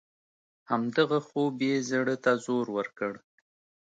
همدغه خوب یې زړه ته زور ورکړ.